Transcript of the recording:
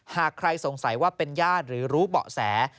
หากใครสงสัยว่าเป็นญาติหรือรู้เบาะแส